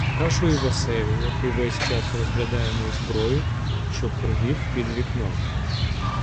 Кажу Івасеві, який весь час розглядає мою зброю, щоб привів під вікно.